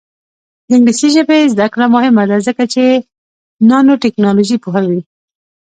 د انګلیسي ژبې زده کړه مهمه ده ځکه چې نانوټیکنالوژي پوهوي.